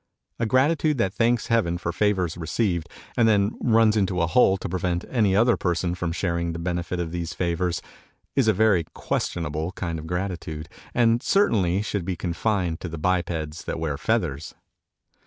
A gratitude that thanks heaven for favors received, and then runs into a hole to prevent any other person from sharing the benefit of these favors, is a very questionable kind of gratitude, and certainly should be confined to the bipeds that wear feathers.